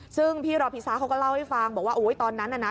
ซึ่งพี่รอพิซาเขาก็เล่าให้ฟังบอกว่าโอ้ยตอนนั้นน่ะนะ